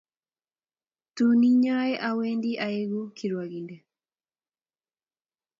Tun inye awendi aeku kirwngindet